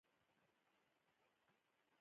ماشینساخته غالۍ ژر خرابېږي.